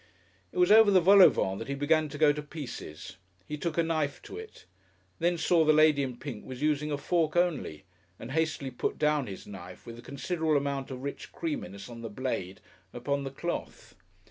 It was over the vol au vent that he began to go to pieces. He took a knife to it; then saw the lady in pink was using a fork only, and hastily put down his knife, with a considerable amount of rich creaminess on the blade, upon the cloth.